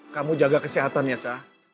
kamu jaga kesehatan ya sa